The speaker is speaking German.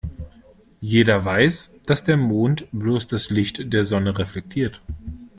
Jeder weiß, dass der Mond bloß das Licht der Sonne reflektiert.